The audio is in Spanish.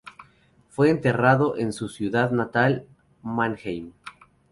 Fue enterrado en su ciudad natal, Mannheim.